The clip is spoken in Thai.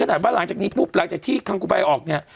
ขนาดว่าหลังจากนี้ปุ๊บหลังจากที่คังกุบายออกเนี่ย